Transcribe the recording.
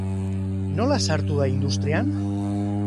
Nola sartu da industrian?